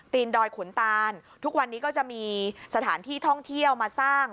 ดอยขุนตานทุกวันนี้ก็จะมีสถานที่ท่องเที่ยวมาสร้าง